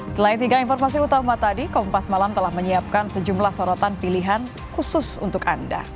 selain tiga informasi utama tadi kompas malam telah menyiapkan sejumlah sorotan pilihan khusus untuk anda